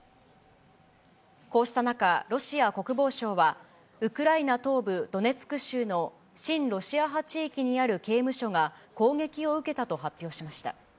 こうした中、ロシア国防省は、ウクライナ東部ドネツク州の親ロシア派地域にある刑務所が、攻撃を受けたと発表しました。